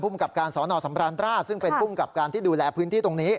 กับการสอนอสำราญราชซึ่งเป็นภูมิกับการที่ดูแลพื้นที่ตรงนี้